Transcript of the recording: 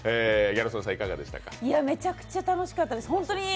めちゃくちゃ楽しかったです。